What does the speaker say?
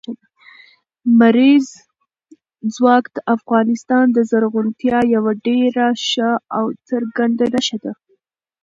لمریز ځواک د افغانستان د زرغونتیا یوه ډېره ښه او څرګنده نښه ده.